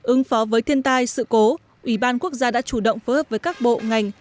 ứng phó với thiên tai sự cố ủy ban quốc gia đã chủ động phối hợp với các bộ ngành